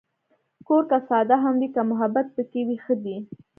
کور که ساده هم وي، که محبت پکې وي، ښه دی.